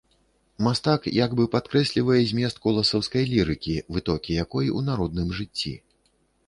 Мастак як бы падкрэслівае змест коласаўскай лірыкі, вытокі якой у народным жыцці.